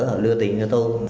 họ lừa tiền cho tôi